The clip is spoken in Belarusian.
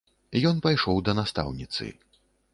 Ён пайшоў да настаўніцы.